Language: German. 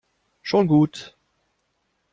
Schon gut.